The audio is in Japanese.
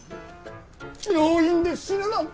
病院で死ぬなんて。